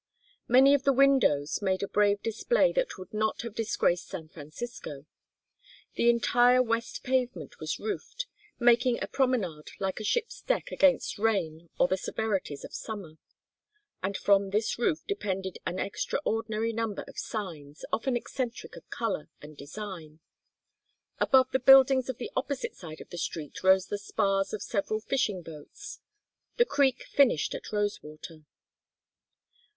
Many of the windows made a brave display that would not have disgraced San Francisco. The entire west pavement was roofed, making a promenade like a ship's deck against rain or the severities of summer; and from this roof depended an extraordinary number of signs, often eccentric of color and design. Above the buildings of the opposite side of the street rose the spars of several fishing boats; the creek finished at Rosewater.